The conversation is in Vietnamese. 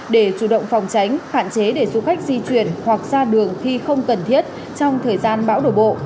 để chủ động phòng tránh hạn chế để du khách di chuyển hoặc ra đường khi không cần thiết trong thời gian bão đổ bộ